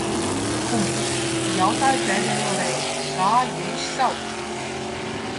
Kundze, jautāju pēdējo reizi, kā jūs sauc?